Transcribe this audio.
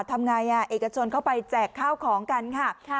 ทำไงเอกชนเข้าไปแจกข้าวของกันค่ะ